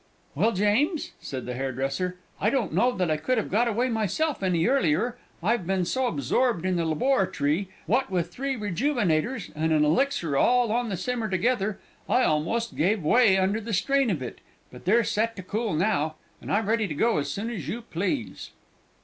"Well, James," said the hairdresser, "I don't know that I could have got away myself any earlier. I've been so absorbed in the laborrit'ry, what with three rejuvenators and an elixir all on the simmer together, I almost gave way under the strain of it; but they're set to cool now, and I'm ready to go as soon as you please."